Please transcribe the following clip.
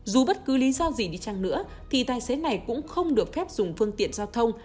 dù bất cứ lý do gì đi chăng nữa thì tài xế này cũng không được phép dùng phương tiện giao thông